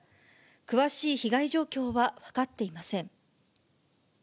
詳しい被害状況は分かっていません。